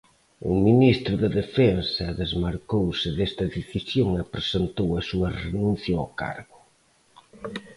O ministro de Defensa desmarcouse desta decisión e presentou a súa renuncia ao cargo.